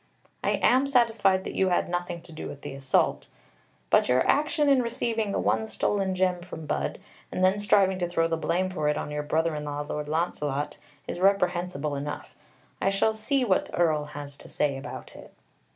I am satisfied that you had nothing to do with the assault, but your action in receiving the one stolen gem from Budd, and then striving to throw the blame for it on your brother in law, Lord Launcelot, is reprehensible enough. I shall see what the Earl has to say about it."